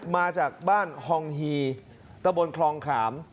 มาจากบ้านฮองฮีตะบนคลองขาม